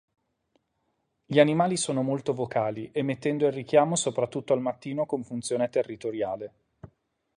Gli animali sono molto vocali, emettendo il richiamo soprattutto al mattino con funzione territoriale.